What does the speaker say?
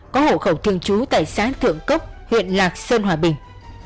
có hộ khẩu thường trú tại xã thượng cốc huyện lạc sơn hòa bình